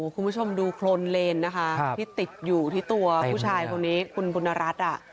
คุณผู้ชมดูโครนเลนนะคะที่ติดอยู่ที่ตัวผู้ชายคนนี้คุณบุญรัฐ